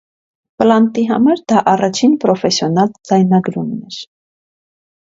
Պլանտի համար դա առաջին պրոֆեսիոնալ ձայնագրումն էր։